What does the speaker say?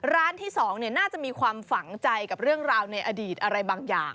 ร้านที่๒น่าจะมีความฝังใจกับเรื่องราวในอดีตอะไรบางอย่าง